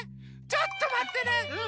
ちょっとまってね！